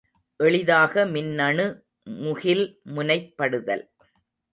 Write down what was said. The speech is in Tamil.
எளிதாக மின்னணு முகில் முனைப்படுதல்.